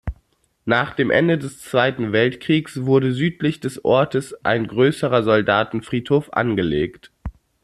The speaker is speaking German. Nach dem Ende des Zweiten Weltkriegs wurde südlich des Ortes ein größerer Soldatenfriedhof angelegt.